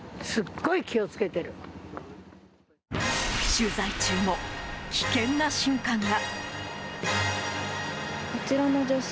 取材中も、危険な瞬間が。